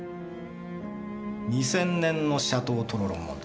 ２０００年の「シャトー・トロロン・モンド」。